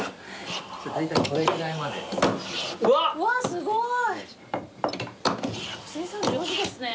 すごい。